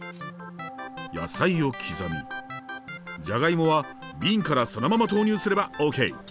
野菜を刻みじゃがいもは瓶からそのまま投入すればＯＫ！